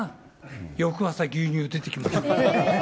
翌朝、牛乳出てきましたよ。